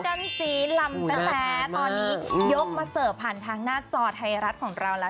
ข้าวกันจีนลำแต๊ะตอนนี้ยกมาเสิร์ฟผ่านทางหน้าจอไทยรัฐของเรา